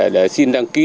để xin đăng ký